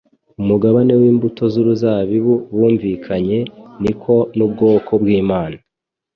umugabane w'imbuto z'uruzabibu bumvikanye, niko n'ubwoko bw'Imana